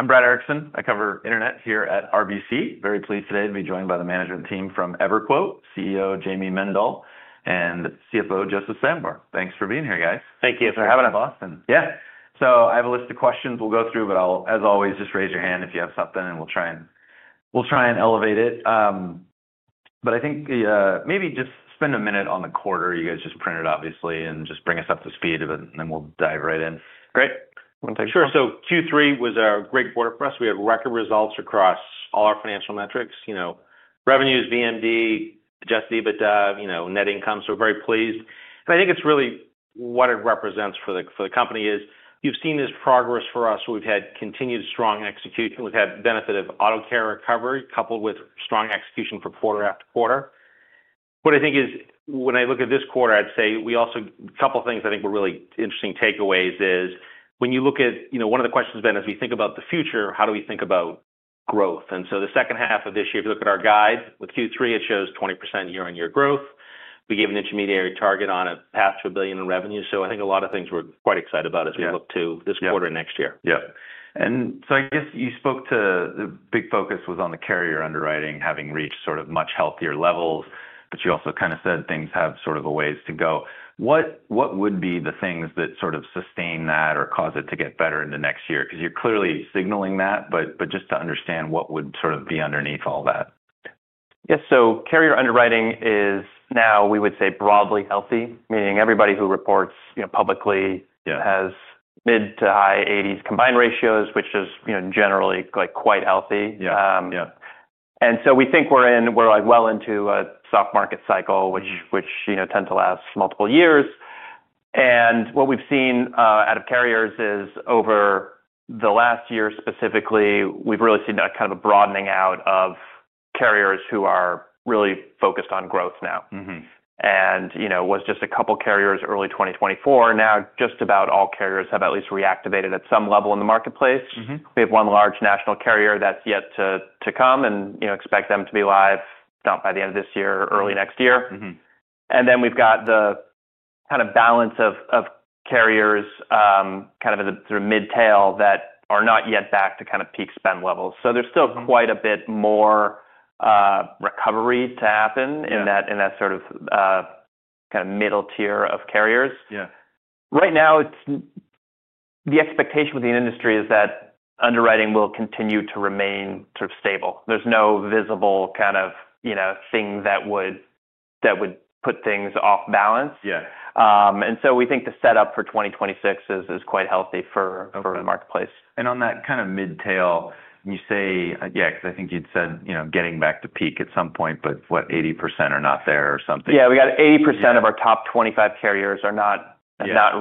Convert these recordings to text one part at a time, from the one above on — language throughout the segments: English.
I'm Brad Erickson. I cover internet here at RBC. Very pleased today to be joined by the management team from EverQuote, CEO Jayme Mendal, and CFO Joseph Sanborn. Thanks for being here, guys. Thank you for having us. In Boston. Yeah. I have a list of questions we'll go through, but I'll, as always, just raise your hand if you have something, and we'll try and elevate it. I think maybe just spend a minute on the quarter you guys just printed, obviously, and just bring us up to speed of it, and then we'll dive right in. Great. Sure. Q3 was a great quarter for us. We had record results across all our financial metrics: revenues, VMD, just EBITDA, net income. We are very pleased. I think what it represents for the company is you have seen this progress for us. We have had continued strong execution. We have had benefit of auto care recovery coupled with strong execution for quarter after quarter. What I think is, when I look at this quarter, I would say we also, a couple of things I think were really interesting takeaways, is when you look at one of the questions then, as we think about the future, how do we think about growth? The second half of this year, if you look at our guide with Q3, it shows 20% year-on-year growth. We gave an intermediary target on a path to a billion in revenue. I think a lot of things we're quite excited about as we look to this quarter and next year. Yeah. I guess you spoke to the big focus was on the carrier underwriting, having reached sort of much healthier levels, but you also kind of said things have sort of a ways to go. What would be the things that sort of sustain that or cause it to get better in the next year? Because you're clearly signaling that, but just to understand what would sort of be underneath all that. Yeah. Carrier underwriting is now, we would say, broadly healthy, meaning everybody who reports publicly has mid-to-high 80s combined ratios, which is generally quite healthy. We think we're well into a soft market cycle, which tends to last multiple years. What we've seen out of carriers is over the last year specifically, we've really seen kind of a broadening out of carriers who are really focused on growth now. It was just a couple of carriers early 2024. Now, just about all carriers have at least reactivated at some level in the marketplace. We have one large national carrier that's yet to come, and expect them to be live not by the end of this year, early next year. We have the kind of balance of carriers kind of in the sort of mid-tail that are not yet back to kind of peak spend levels. There is still quite a bit more recovery to happen in that sort of kind of middle tier of carriers. Right now, the expectation with the industry is that underwriting will continue to remain sort of stable. There is no visible kind of thing that would put things off balance. We think the setup for 2026 is quite healthy for the marketplace. On that kind of mid-tail, you say, yeah, because I think you'd said getting back to peak at some point, but what, 80% are not there or something? Yeah. We got 80% of our top 25 carriers have not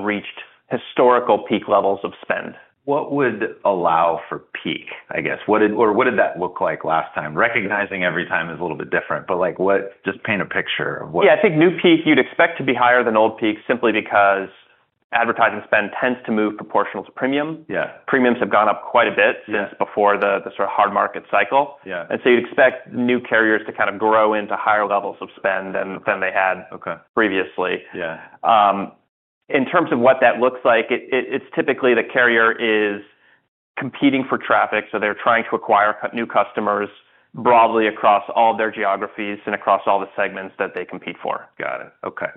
reached historical peak levels of spend. What would allow for peak, I guess? Or what did that look like last time? Recognizing every time is a little bit different, but just paint a picture of what. Yeah. I think new peak, you'd expect to be higher than old peak simply because advertising spend tends to move proportional to premium. Premiums have gone up quite a bit since before the sort of hard market cycle. You'd expect new carriers to kind of grow into higher levels of spend than they had previously. In terms of what that looks like, it's typically the carrier is competing for traffic. They're trying to acquire new customers broadly across all their geographies and across all the segments that they compete for. Got it. Okay.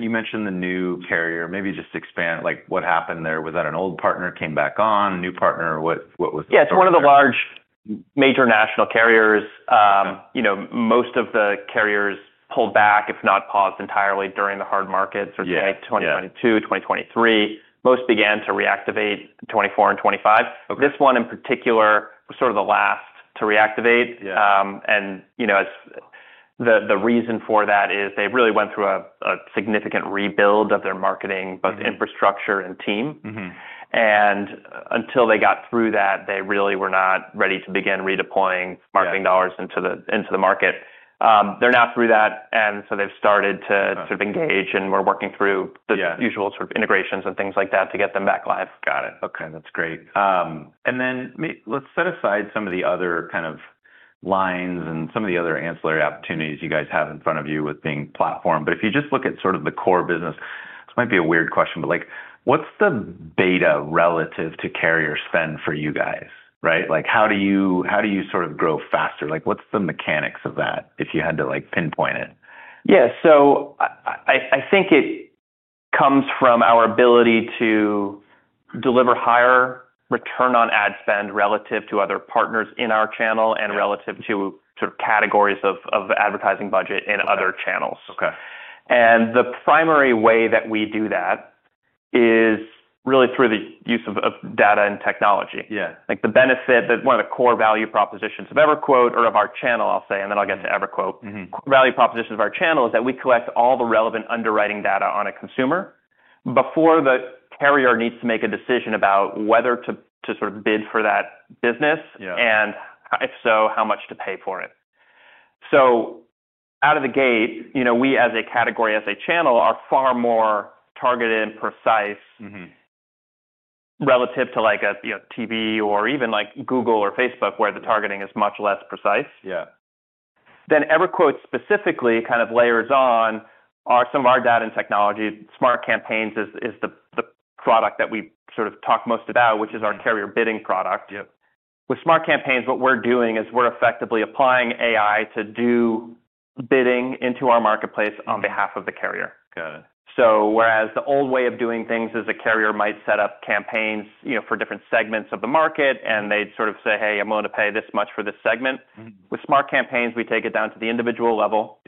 You mentioned the new carrier. Maybe just expand what happened there. Was that an old partner came back on, new partner? What was the? Yeah. It's one of the large major national carriers. Most of the carriers pulled back, if not paused entirely during the hard markets of 2022, 2023. Most began to reactivate 2024 and 2025. This one in particular was sort of the last to reactivate. The reason for that is they really went through a significant rebuild of their marketing, both infrastructure and team. Until they got through that, they really were not ready to begin redeploying marketing dollars into the market. They're now through that, and they have started to sort of engage, and we're working through the usual sort of integrations and things like that to get them back live. Got it. Okay. That's great. Let's set aside some of the other kind of lines and some of the other ancillary opportunities you guys have in front of you with being platformed. If you just look at sort of the core business, this might be a weird question, but what's the beta relative to carrier spend for you guys, right? How do you sort of grow faster? What's the mechanics of that if you had to pinpoint it? Yeah. I think it comes from our ability to deliver higher return on ad spend relative to other partners in our channel and relative to sort of categories of advertising budget in other channels. The primary way that we do that is really through the use of data and technology. The benefit that one of the core value propositions of EverQuote or of our channel, I'll say, and then I'll get to EverQuote, core value propositions of our channel is that we collect all the relevant underwriting data on a consumer before the carrier needs to make a decision about whether to sort of bid for that business, and if so, how much to pay for it. Out of the gate, we as a category, as a channel, are far more targeted and precise relative to a TV or even Google or Facebook, where the targeting is much less precise. EverQuote specifically kind of layers on some of our data and technology. Smart Campaigns is the product that we sort of talk most about, which is our carrier bidding product. With Smart Campaigns, what we're doing is we're effectively applying AI to do bidding into our marketplace on behalf of the carrier. Whereas the old way of doing things is a carrier might set up campaigns for different segments of the market, and they'd sort of say, "Hey, I'm willing to pay this much for this segment." With Smart Campaigns, we take it down to the individual level.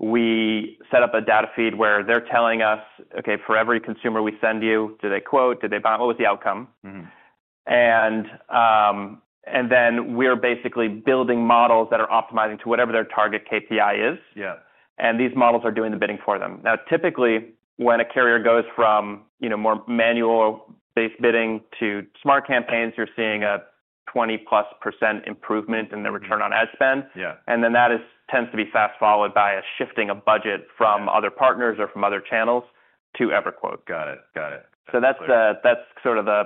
We set up a data feed where they're telling us, "Okay, for every consumer we send you, do they quote? Do they buy?" What was the outcome? We are basically building models that are optimizing to whatever their target KPI is. These models are doing the bidding for them. Typically, when a carrier goes from more manual-based bidding to Smart Campaigns, you're seeing a 20%+ improvement in the return on ad spend. That tends to be fast followed by a shifting of budget from other partners or from other channels to EverQuote. Got it. Got it. That's sort of the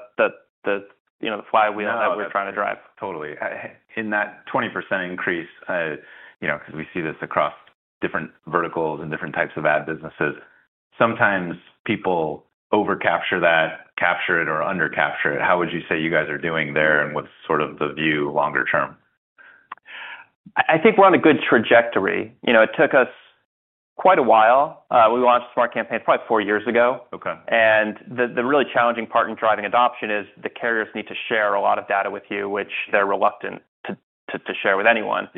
flywheel that we're trying to drive. Totally. In that 20% increase, because we see this across different verticals and different types of ad businesses, sometimes people overcapture that, capture it, or undercapture it. How would you say you guys are doing there, and what's sort of the view longer term? I think we're on a good trajectory. It took us quite a while. We launched Smart Campaigns probably four years ago. The really challenging part in driving adoption is the carriers need to share a lot of data with you, which they're reluctant to share with anyone.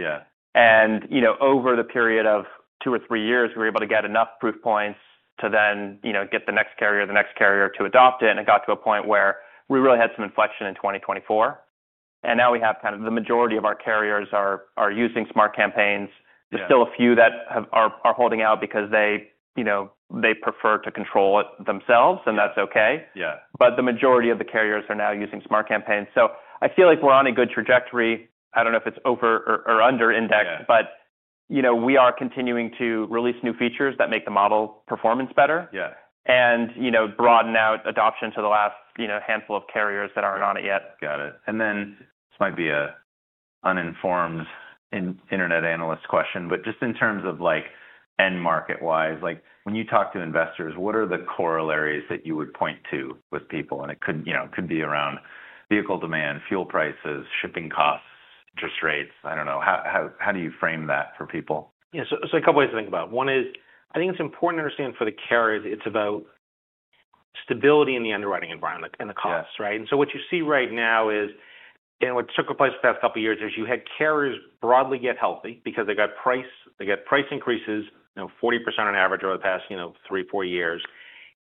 Over the period of two or three years, we were able to get enough proof points to then get the next carrier, the next carrier to adopt it. It got to a point where we really had some inflection in 2024. Now we have kind of the majority of our carriers are using Smart Campaigns. There's still a few that are holding out because they prefer to control it themselves, and that's okay. The majority of the carriers are now using Smart Campaigns. I feel like we're on a good trajectory. I don't know if it's over or under index, but we are continuing to release new features that make the model performance better and broaden out adoption to the last handful of carriers that aren't on it yet. Got it. This might be an uninformed internet analyst question, but just in terms of end market-wise, when you talk to investors, what are the corollaries that you would point to with people? It could be around vehicle demand, fuel prices, shipping costs, interest rates. I don't know. How do you frame that for people? Yeah. There are a couple of ways to think about it. One is, I think it's important to understand for the carriers, it's about stability in the underwriting environment and the costs, right? What you see right now is, and what took place the past couple of years is you had carriers broadly get healthy because they got price increases, 40% on average over the past three or four years,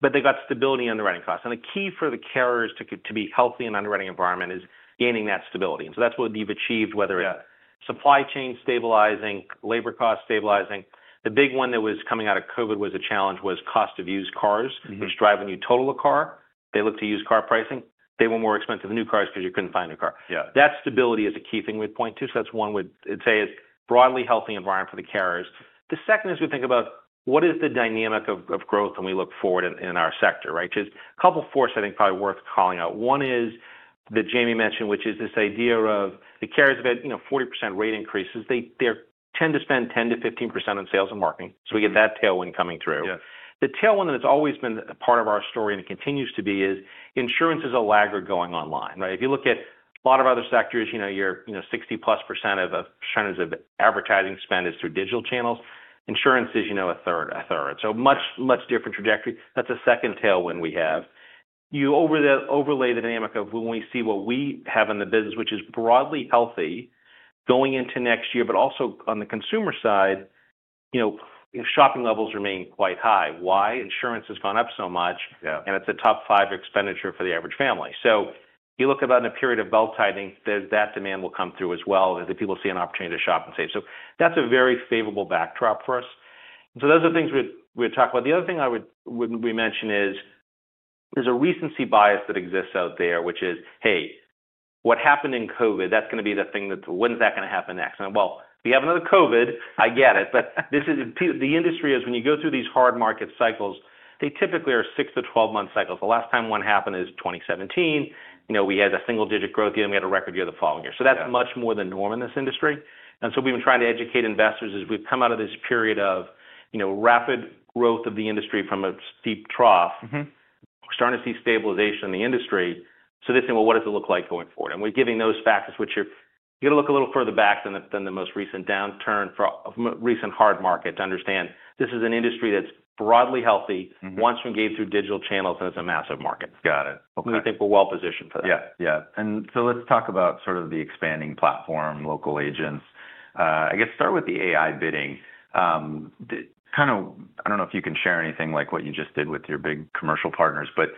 but they got stability in underwriting costs. The key for the carriers to be healthy in an underwriting environment is gaining that stability. That is what you've achieved, whether it's supply chain stabilizing, labor costs stabilizing. The big one that was coming out of COVID that was a challenge was cost of used cars, which drives a new total of car. They looked at used car pricing. They were more expensive than new cars because you could not find a new car. That stability is a key thing we would point to. That is one we would say is broadly healthy environment for the carriers. The second is we think about what is the dynamic of growth when we look forward in our sector, right? There are a couple of forces I think probably worth calling out. One is that Jayme mentioned, which is this idea of the carriers have had 40% rate increases. They tend to spend 10%-15% on sales and marketing. We get that tailwind coming through. The tailwind that has always been a part of our story and continues to be is insurance is a lagger going online, right? If you look at a lot of other sectors, your 60% plus of advertising spend is through digital channels. Insurance is a third. A much different trajectory. That's a second tailwind we have. You overlay the dynamic of when we see what we have in the business, which is broadly healthy going into next year, but also on the consumer side, shopping levels remain quite high. Why? Insurance has gone up so much, and it's a top five expenditure for the average family. You look at about in a period of belt tightening, that demand will come through as well. I think people see an opportunity to shop and save. That's a very favorable backdrop for us. Those are things we would talk about. The other thing I would mention is there's a recency bias that exists out there, which is, "Hey, what happened in COVID? That's going to be the thing that when's that going to happen next?" Will we have another COVID? I get it. The industry is when you go through these hard market cycles, they typically are 6-12 month cycles. The last time one happened is 2017. We had a single-digit growth year, and we had a record year the following year. That is much more than normal in this industry. We have been trying to educate investors as we have come out of this period of rapid growth of the industry from a steep trough. We are starting to see stabilization in the industry. They say, "Well, what does it look like going forward?" We are giving those factors, which you are going to look a little further back than the most recent downturn for a recent hard market to understand this is an industry that is broadly healthy, wants to engage through digital channels, and it is a massive market. We think we are well-positioned for that. Yeah. Yeah. Let's talk about sort of the expanding platform, local agents. I guess start with the AI bidding. I don't know if you can share anything like what you just did with your big commercial partners, but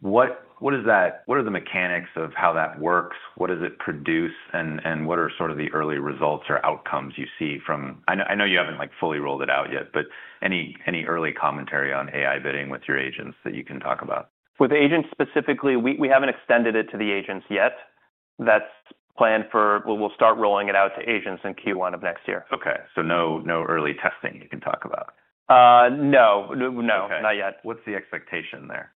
what are the mechanics of how that works? What does it produce, and what are sort of the early results or outcomes you see from I know you haven't fully rolled it out yet, but any early commentary on AI bidding with your agents that you can talk about? With agents specifically, we haven't extended it to the agents yet. That's planned for we'll start rolling it out to agents in Q1 of next year. Okay. No early testing you can talk about? No. No. Not yet. What's the expectation there?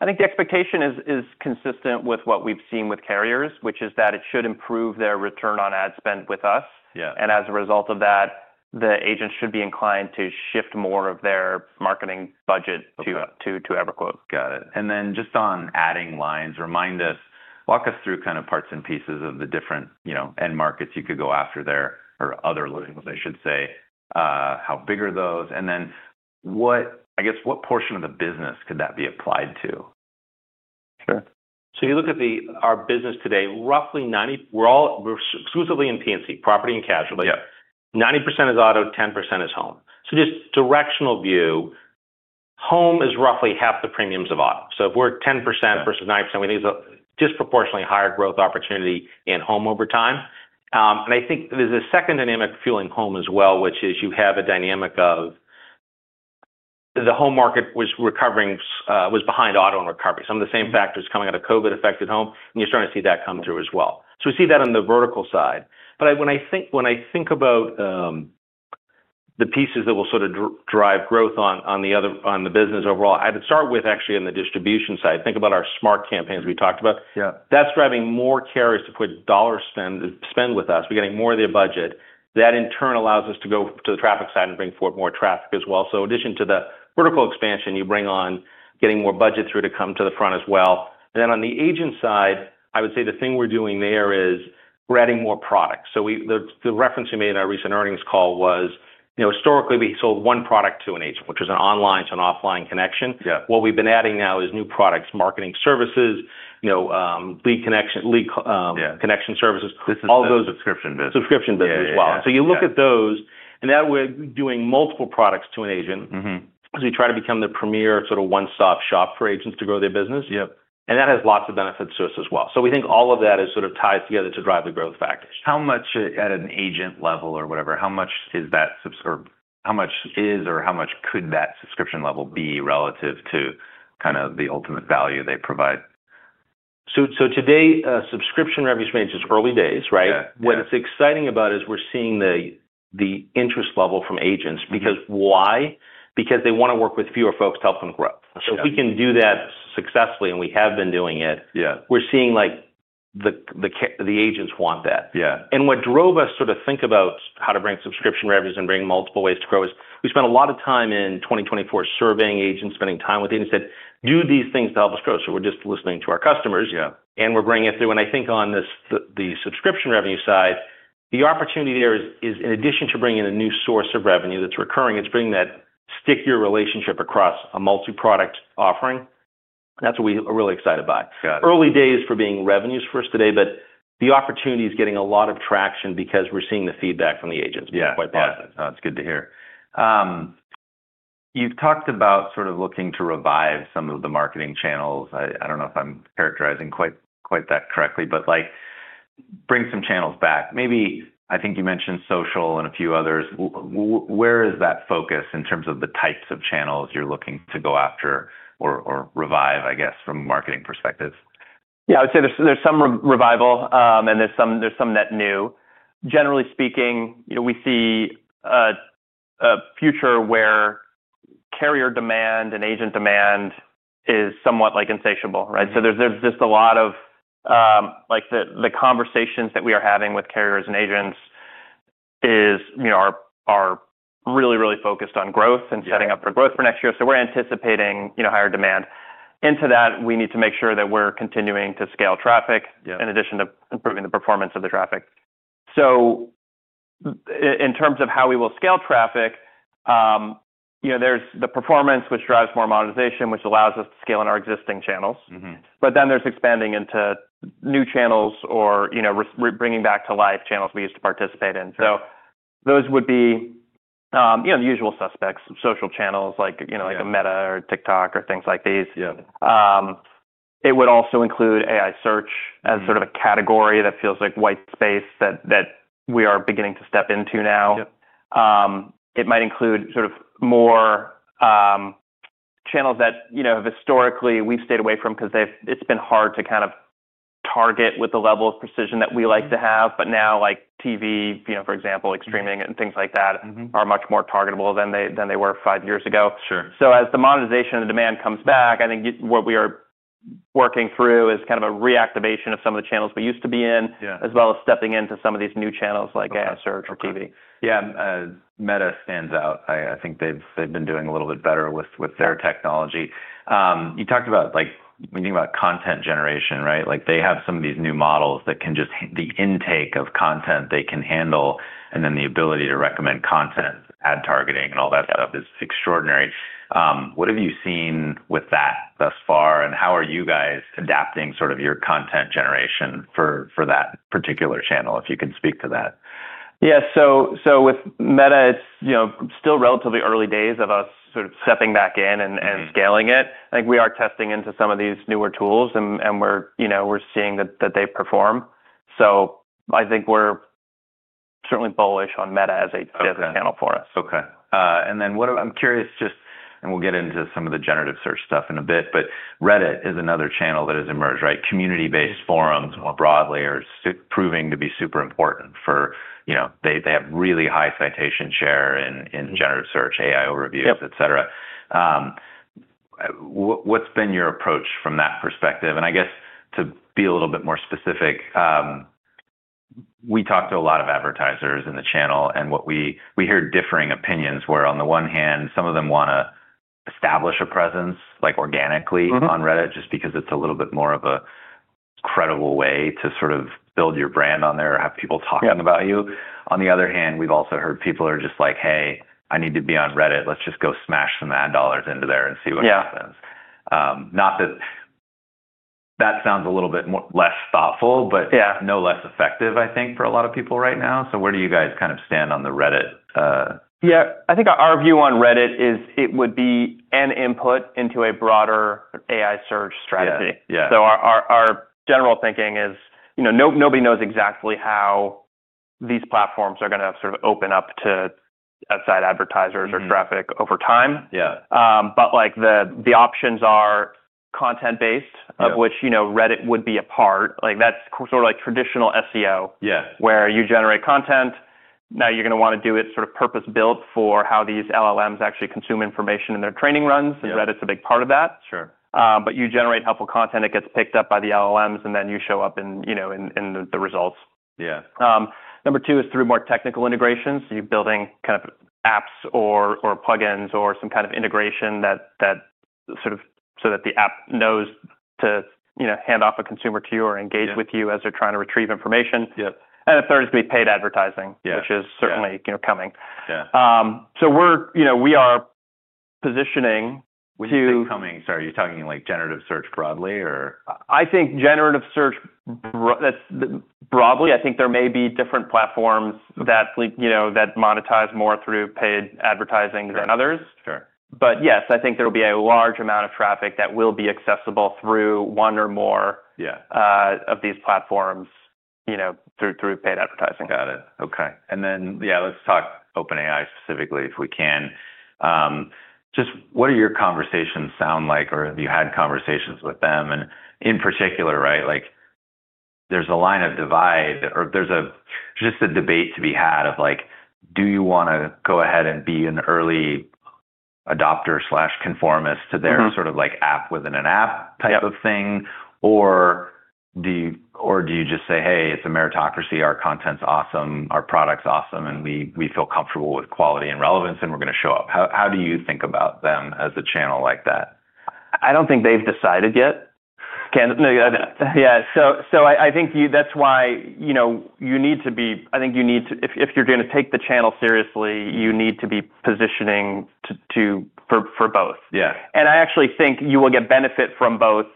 I think the expectation is consistent with what we've seen with carriers, which is that it should improve their return on ad spend with us. As a result of that, the agents should be inclined to shift more of their marketing budget to EverQuote. Got it. Just on adding lines, walk us through kind of parts and pieces of the different end markets you could go after there or other loans, I should say, how big are those? I guess what portion of the business could that be applied to? Sure. You look at our business today, roughly 90, we're exclusively in T&C, property and casualty. 90% is auto, 10% is home. Just directional view, home is roughly half the premiums of auto. If we're 10% versus 90%, we think it's a disproportionately higher growth opportunity in home over time. I think there's a second dynamic fueling home as well, which is you have a dynamic of the home market was behind auto in recovery. Some of the same factors coming out of COVID affected home, and you're starting to see that come through as well. We see that on the vertical side. When I think about the pieces that will sort of drive growth on the business overall, I'd start with actually on the distribution side. Think about our Smart Campaigns we talked about. That's driving more carriers to put dollar spend with us. We're getting more of their budget. That in turn allows us to go to the traffic side and bring forth more traffic as well. In addition to the vertical expansion, you bring on getting more budget through to come to the front as well. On the agent side, I would say the thing we're doing there is we're adding more products. The reference you made in our recent earnings call was historically we sold one product to an agent, which was an online to an offline connection. What we've been adding now is new products, marketing services, lead connection services. This is the subscription business. Subscription business as well. You look at those, and now we're doing multiple products to an agent as we try to become the premier sort of one-stop shop for agents to grow their business. That has lots of benefits to us as well. We think all of that sort of ties together to drive the growth factors. How much at an agent level or whatever, how much is that or how much could that subscription level be relative to kind of the ultimate value they provide? Today, subscription revenue spend is just early days, right? What is exciting about it is we're seeing the interest level from agents because why? Because they want to work with fewer folks to help them grow. If we can do that successfully, and we have been doing it, we're seeing the agents want that. What drove us to think about how to bring subscription revenues and bring multiple ways to grow is we spent a lot of time in 2024 surveying agents, spending time with agents, said, "Do these things to help us grow." We're just listening to our customers, and we're bringing it through. I think on the subscription revenue side, the opportunity there is in addition to bringing in a new source of revenue that's recurring, it's bringing that stickier relationship across a multi-product offering. That's what we are really excited by. Early days for being revenues for us today, but the opportunity is getting a lot of traction because we're seeing the feedback from the agents. It's quite positive. Yeah. No, that's good to hear. You've talked about sort of looking to revive some of the marketing channels. I don't know if I'm characterizing quite that correctly, but bring some channels back. Maybe I think you mentioned social and a few others. Where is that focus in terms of the types of channels you're looking to go after or revive, I guess, from a marketing perspective? Yeah. I would say there's some revival, and there's some that new. Generally speaking, we see a future where carrier demand and agent demand is somewhat insatiable, right? There's just a lot of the conversations that we are having with carriers and agents are really, really focused on growth and setting up for growth for next year. We are anticipating higher demand. Into that, we need to make sure that we're continuing to scale traffic in addition to improving the performance of the traffic. In terms of how we will scale traffic, there's the performance, which drives more monetization, which allows us to scale in our existing channels. There's expanding into new channels or bringing back to life channels we used to participate in. Those would be the usual suspects, social channels like Meta or TikTok or things like these. It would also include AI search as sort of a category that feels like white space that we are beginning to step into now. It might include sort of more channels that historically we've stayed away from because it's been hard to kind of target with the level of precision that we like to have. Now TV, for example, streaming and things like that are much more targetable than they were five years ago. As the monetization and demand comes back, I think what we are working through is kind of a reactivation of some of the channels we used to be in, as well as stepping into some of these new channels like AI search or TV. Yeah. Meta stands out. I think they've been doing a little bit better with their technology. You talked about when you think about content generation, right? They have some of these new models that can just the intake of content they can handle, and then the ability to recommend content, ad targeting, and all that stuff is extraordinary. What have you seen with that thus far, and how are you guys adapting sort of your content generation for that particular channel if you can speak to that? Yeah. With Meta, it's still relatively early days of us sort of stepping back in and scaling it. I think we are testing into some of these newer tools, and we're seeing that they perform. I think we're certainly bullish on Meta as a channel for us. Okay. I am curious just, and we will get into some of the generative search stuff in a bit, but Reddit is another channel that has emerged, right? Community-based forums more broadly are proving to be super important for they have really high citation share in generative search, AI overviews, etc. What has been your approach from that perspective? I guess to be a little bit more specific, we talked to a lot of advertisers in the channel, and we hear differing opinions where on the one hand, some of them want to establish a presence organically on Reddit just because it is a little bit more of a credible way to sort of build your brand on there or have people talking about you. On the other hand, we have also heard people are just like, "Hey, I need to be on Reddit. Let's just go smash some ad dollars into there and see what happens." Not that that sounds a little bit less thoughtful, but no less effective, I think, for a lot of people right now. Where do you guys kind of stand on the Reddit? Yeah. I think our view on Reddit is it would be an input into a broader AI search strategy. Our general thinking is nobody knows exactly how these platforms are going to sort of open up to outside advertisers or traffic over time. The options are content-based, of which Reddit would be a part. That is sort of like traditional SEO where you generate content. Now you are going to want to do it sort of purpose-built for how these LLMs actually consume information in their training runs, and Reddit is a big part of that. You generate helpful content. It gets picked up by the LLMs, and then you show up in the results. Number two is through more technical integrations. You're building kind of apps or plugins or some kind of integration so that the app knows to hand off a consumer to you or engage with you as they're trying to retrieve information. The third is going to be paid advertising, which is certainly coming. We are positioning to. When you say coming, sorry, are you talking generative search broadly or? I think generative search broadly, I think there may be different platforms that monetize more through paid advertising than others. Yes, I think there will be a large amount of traffic that will be accessible through one or more of these platforms through paid advertising. Got it. Okay. Yeah, let's talk OpenAI specifically if we can. Just what do your conversations sound like or have you had conversations with them? In particular, right, there's a line of divide or there's just a debate to be had of like, do you want to go ahead and be an early adopter/conformist to their sort of app within an app type of thing? Or do you just say, "Hey, it's a meritocracy. Our content's awesome. Our product's awesome, and we feel comfortable with quality and relevance, and we're going to show up"? How do you think about them as a channel like that? I don't think they've decided yet. Yeah. I think that's why you need to be, I think if you're going to take the channel seriously, you need to be positioning for both. I actually think you will get benefit from both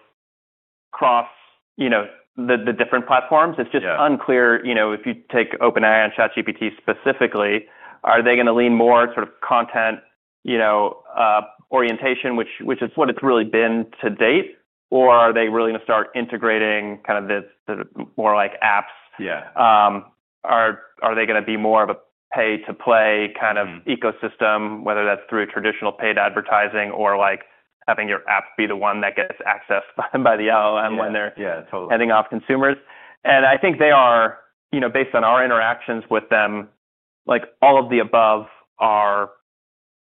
across the different platforms. It's just unclear if you take OpenAI and ChatGPT specifically, are they going to lean more towards content orientation, which is what it's really been to date, or are they really going to start integrating kind of more like apps? Are they going to be more of a pay-to-play kind of ecosystem, whether that's through traditional paid advertising or having your app be the one that gets accessed by the LLM when they're handing off consumers? I think they are, based on our interactions with them, all of the above are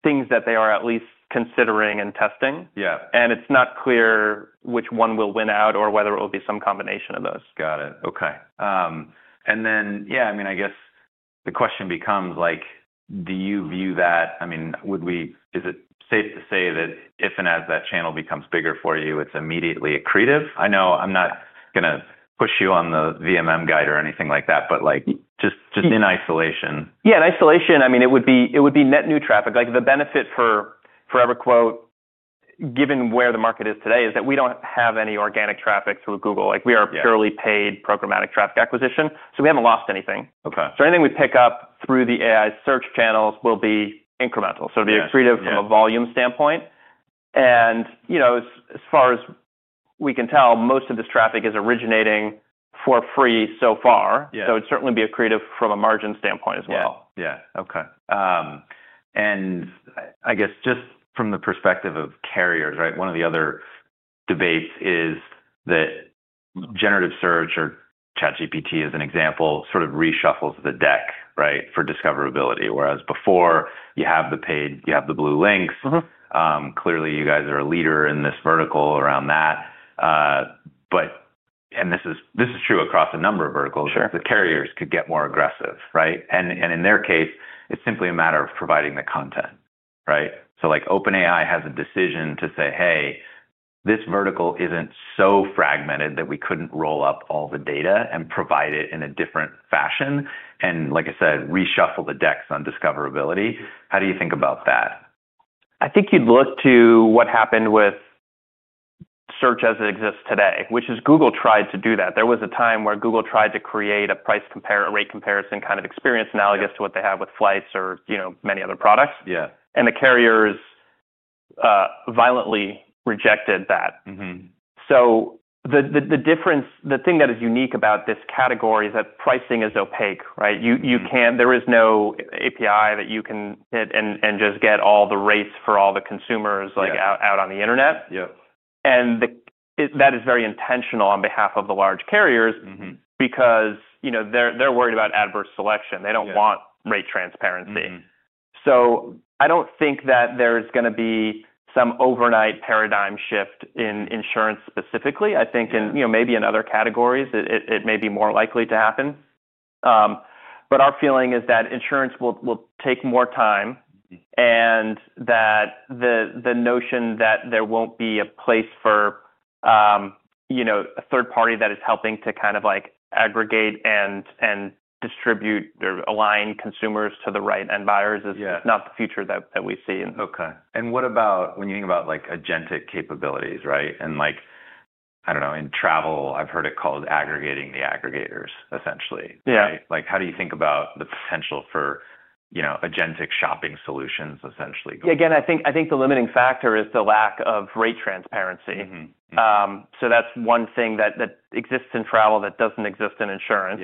things that they are at least considering and testing. It is not clear which one will win out or whether it will be some combination of those. Got it. Okay. I mean, I guess the question becomes, do you view that? I mean, is it safe to say that if and as that channel becomes bigger for you, it's immediately accretive? I know I'm not going to push you on the VMD guide or anything like that, but just in isolation. Yeah. In isolation, I mean, it would be net new traffic. The benefit for EverQuote, given where the market is today, is that we don't have any organic traffic through Google. We are purely paid programmatic traffic acquisition, so we haven't lost anything. Anything we pick up through the AI search channels will be incremental. It will be accretive from a volume standpoint. As far as we can tell, most of this traffic is originating for free so far. It would certainly be accretive from a margin standpoint as well. Yeah. Yeah. Okay. I guess just from the perspective of carriers, right, one of the other debates is that generative search, or ChatGPT as an example, sort of reshuffles the deck, right, for discoverability. Whereas before, you have the paid, you have the blue links. Clearly, you guys are a leader in this vertical around that. This is true across a number of verticals. The carriers could get more aggressive, right? In their case, it's simply a matter of providing the content, right? OpenAI has a decision to say, "Hey, this vertical isn't so fragmented that we couldn't roll up all the data and provide it in a different fashion," and like I said, reshuffle the decks on discoverability. How do you think about that? I think you'd look to what happened with search as it exists today, which is Google tried to do that. There was a time where Google tried to create a price rate comparison kind of experience analogous to what they have with FLYCE or many other products. The carriers violently rejected that. The thing that is unique about this category is that pricing is opaque, right? There is no API that you can hit and just get all the rates for all the consumers out on the internet. That is very intentional on behalf of the large carriers because they're worried about adverse selection. They don't want rate transparency. I don't think that there's going to be some overnight paradigm shift in insurance specifically. I think in maybe in other categories, it may be more likely to happen. Our feeling is that insurance will take more time and that the notion that there will not be a place for a third party that is helping to kind of aggregate and distribute or align consumers to the right end buyers is not the future that we see. Okay. What about when you think about agentic capabilities, right? I don't know, in travel, I've heard it called aggregating the aggregators, essentially, right? How do you think about the potential for agentic shopping solutions, essentially? Yeah. Again, I think the limiting factor is the lack of rate transparency. That is one thing that exists in travel that does not exist in insurance.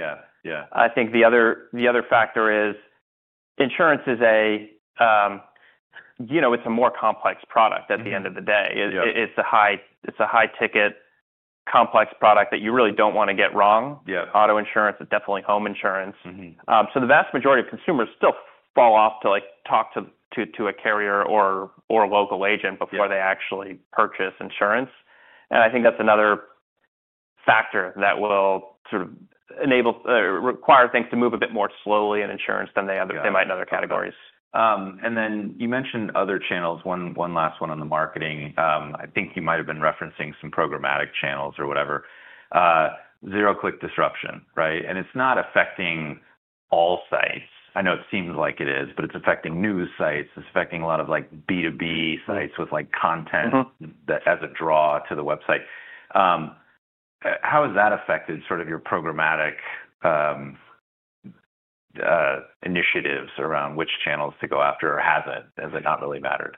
I think the other factor is insurance is a more complex product at the end of the day. It is a high-ticket, complex product that you really do not want to get wrong. Auto insurance is definitely home insurance. The vast majority of consumers still fall off to talk to a carrier or a local agent before they actually purchase insurance. I think that is another factor that will sort of require things to move a bit more slowly in insurance than they might in other categories. You mentioned other channels. One last one on the marketing. I think you might have been referencing some programmatic channels or whatever. Zero-click disruption, right? It's not affecting all sites. I know it seems like it is, but it's affecting news sites. It's affecting a lot of B2B sites with content that has a draw to the website. How has that affected sort of your programmatic initiatives around which channels to go after or hasn't? Has it not really mattered?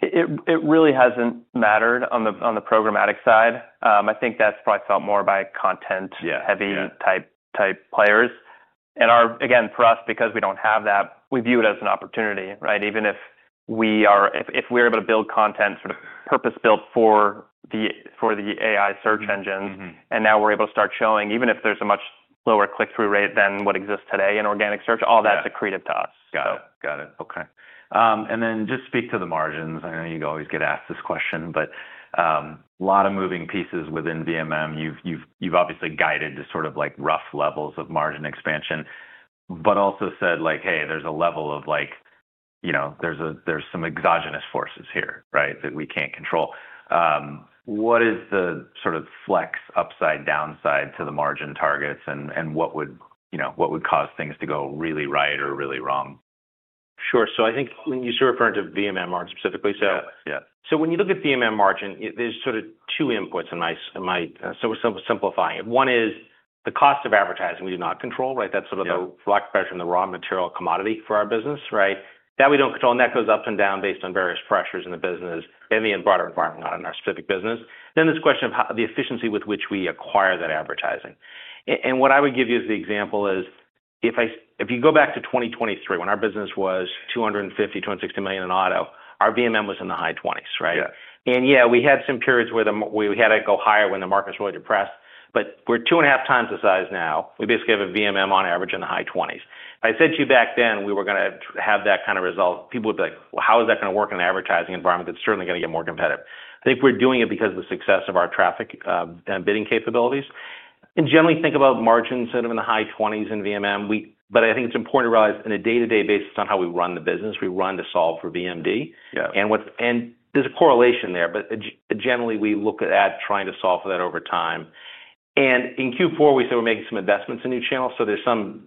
It really hasn't mattered on the programmatic side. I think that's probably felt more by content-heavy type players. Again, for us, because we don't have that, we view it as an opportunity, right? Even if we are able to build content sort of purpose-built for the AI search engines, and now we're able to start showing, even if there's a much lower click-through rate than what exists today in organic search, all that's accretive to us. Got it. Got it. Okay. Just speak to the margins. I know you always get asked this question, but a lot of moving pieces within VMM. You've obviously guided to sort of rough levels of margin expansion, but also said like, "Hey, there's a level of there's some exogenous forces here, right, that we can't control." What is the sort of flex upside downside to the margin targets, and what would cause things to go really right or really wrong? Sure. I think you should refer to VMM margin specifically. When you look at VMM margin, there are sort of two inputs in my, so we are simplifying it. One is the cost of advertising we do not control, right? That is sort of the rock pressure and the raw material commodity for our business, right? That we do not control, and that goes up and down based on various pressures in the business and the broader environment on our specific business. There is the question of the efficiency with which we acquire that advertising. What I would give you as the example is if you go back to 2023, when our business was $250 million-$260 million in auto, our VMM was in the high 20s, right? Yeah, we had some periods where we had to go higher when the market was really depressed, but we're two and a half times the size now. We basically have a VMM on average in the high 20s. If I said to you back then, we were going to have that kind of result, people would be like, "Well, how is that going to work in an advertising environment that's certainly going to get more competitive?" I think we're doing it because of the success of our traffic and bidding capabilities. Generally, think about margins sort of in the high 20s in VMM. I think it's important to realize in a day-to-day basis on how we run the business, we run to solve for VMD. There's a correlation there, but generally, we look at trying to solve for that over time. In Q4, we said we're making some investments in new channels. There is some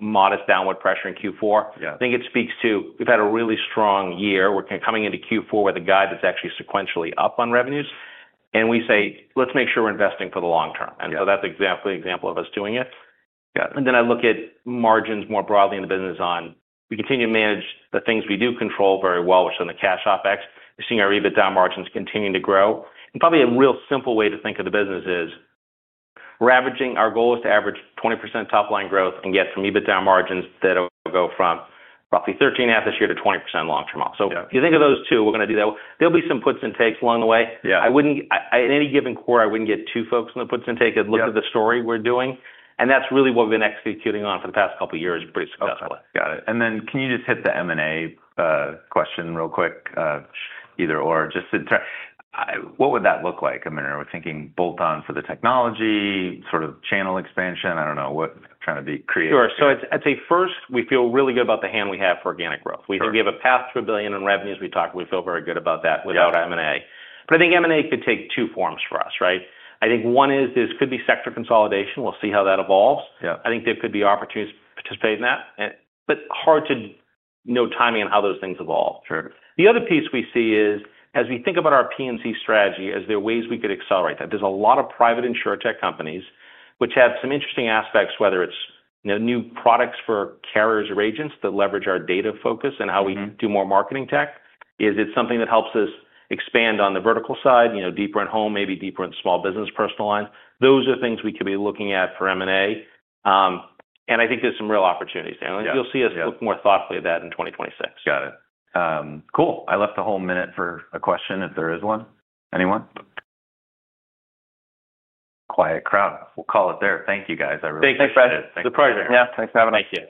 modest downward pressure in Q4. I think it speaks to we've had a really strong year. We're coming into Q4 with a guide that's actually sequentially up on revenues. We say, "Let's make sure we're investing for the long term." That is exactly an example of us doing it. I look at margins more broadly in the business on we continue to manage the things we do control very well, which are the cash OpEx. We're seeing our EBITDA margins continue to grow. Probably a real simple way to think of the business is we're averaging our goal is to average 20% top-line growth and get some EBITDA margins that will go from roughly 13.5% this year to 20% long-term off. If you think of those two, we're going to do that. There'll be some puts and takes along the way. In any given quarter, I wouldn't get too focused on the puts and takes. I'd look at the story we're doing. That's really what we've been executing on for the past couple of years pretty successfully. Got it. Got it. Can you just hit the M&A question real quick, either/or, just to try? What would that look like? I mean, are we thinking bolt-on for the technology, sort of channel expansion? I don't know what I'm trying to be creative. Sure. I'd say first, we feel really good about the hand we have for organic growth. We have a path to a billion in revenues. We feel very good about that without M&A. I think M&A could take two forms for us, right? I think one is there could be sector consolidation. We'll see how that evolves. I think there could be opportunities to participate in that, but hard to know timing and how those things evolve. The other piece we see is, as we think about our P&C strategy, are there ways we could accelerate that? There's a lot of private insurer tech companies, which have some interesting aspects, whether it's new products for carriers or agents that leverage our data focus and how we do more marketing tech. Is it something that helps us expand on the vertical side, deeper at home, maybe deeper in small business personal lines? Those are things we could be looking at for M&A. I think there's some real opportunities there. You'll see us look more thoughtfully at that in 2026. Got it. Cool. I left a whole minute for a question if there is one. Anyone? Quiet crowd. We'll call it there. Thank you, guys. I really appreciate it. Thank you, Fred. Thank you. It's a pleasure.